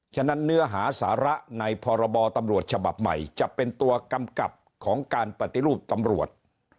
ฉะนั้นเนื้อหาสาระในพรบตำรวจฉบับใหม่จะเป็นตัวกำกับของการปฏิรูปตำรวจ